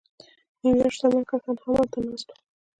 د نیویارک شتمن کسان هم هلته ناست وو